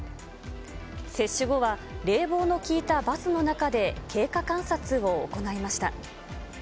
接種後は冷房の効いたバスの中で経過観察を行いました。